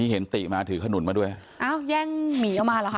เห็นติมาถือขนุนมาด้วยอ้าวแย่งหมีออกมาเหรอคะ